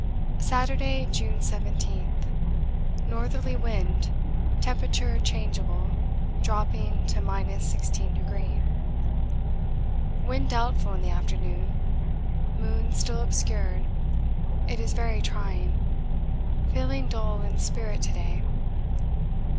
Saturday, June 17. Northerly wind, temperature changeable, dropping to 16°. Wind doubtful in the afternoon. Moon still obscured it is very trying. Feeling dull in spirit to day.